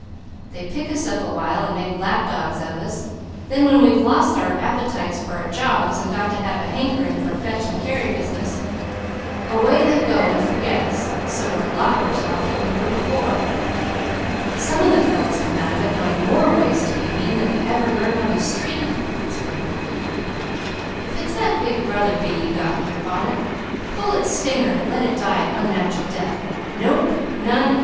They pick us up a while and make lap dogs of us, then when we've lost our appetites for our jobs and got to having a hankerin' for the fetch and carry business away they go and forget us, so we're a lot worse off than we were before. Some of the fellows come out of it knowing more ways to be mean than they ever learned on the street," explained Mickey. "If it's that Big Brother bee you got in your bonnet, pull its stinger and let it die an unnatural death! Nope! None!